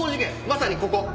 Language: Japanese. まさにここ。